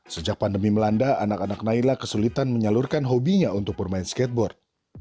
sejak pandemi melanda anak anak naila kesulitan menyalurkan hobinya untuk bermain skateboard